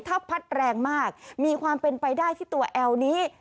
ถ้าพัดแรงมากมีความเป็นไปได้ที่ตัวแอลนี้